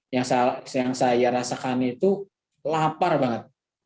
yang saya rasakan itu lapar banget